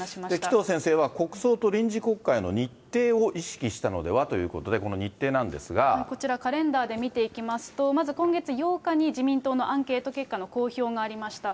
紀藤先生は、国葬と臨時国会の日程を意識したのではということで、この日程なこちら、カレンダーで見ていきますと、まず今月８日に自民党のアンケート結果の公表がありました。